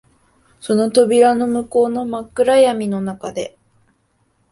その扉の向こうの真っ暗闇の中で、